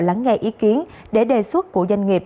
lắng nghe ý kiến để đề xuất của doanh nghiệp